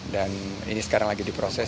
dan ini sekarang lagi diproses